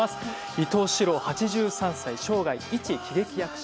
「伊東四朗８３歳生涯、いち喜劇役者」